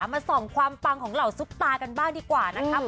มาส่องความปังของเหล่าซุปตากันบ้างดีกว่านะครับ